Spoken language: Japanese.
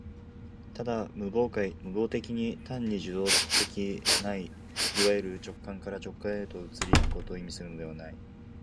ただ無媒介的に、単に受働的ないわゆる直観から直観へと移り行くことを意味するのではない。